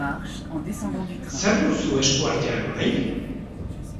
Zer duzu esku artean orain?